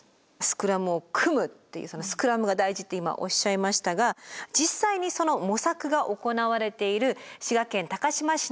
スクラムを組むっていうそのスクラムが大事って今おっしゃいましたが実際にその模索が行われている滋賀県高島市の取り組みを取材しました。